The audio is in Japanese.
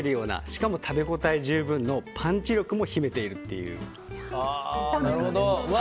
しかも食べ応え十分のパンチ力も秘めているっていう。